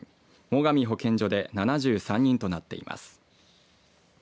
最上保健所で７３人となっています。